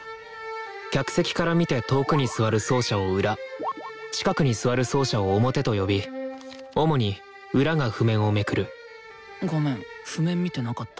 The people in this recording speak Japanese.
客席から見て遠くに座る奏者を「裏」近くに座る奏者を「表」と呼び主に「裏」が譜面をめくるごめん譜面見てなかった。